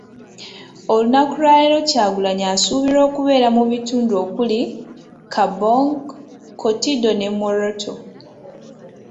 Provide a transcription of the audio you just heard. Olunaku lwaleero Kyagulanyi asuubirwa okubeera mu bitundu okuli; Kaabong, Kotido ne Moroto .